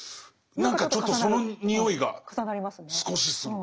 何かちょっとそのにおいが少しする。